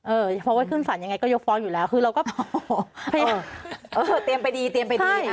เออเพราะว่าขึ้นสารยังไงก็ยกฟองอยู่แล้วคือเราก็โอ้โหเออเออเตรียมไปดีเตรียมไปดีใช่